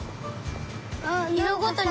あっいろごとに。